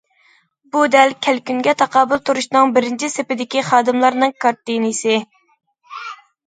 بۇ دەل كەلكۈنگە تاقابىل تۇرۇشنىڭ بىرىنچى سېپىدىكى خادىملارنىڭ كارتىنىسى.